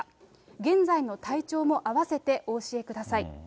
現在の体調も合わせてお教えください。